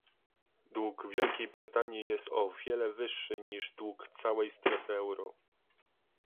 Dług Wielkiej Brytanii jest o wiele wyższy niż dług całej strefy euro